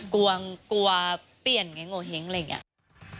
กลัวกลัวเปลี่ยนไงโงเห้งอะไรอย่างนี้